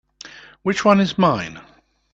Which one is mine?